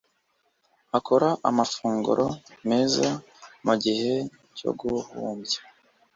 Akora amafunguro meza mugihe cyo guhumbya.